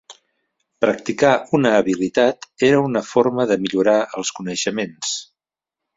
Practicar una habilitat era una forma de millorar els coneixements.